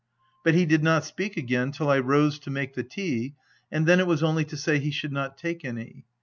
But he did not speak again till I rose to make the tea, and then it was only to say he should not take any.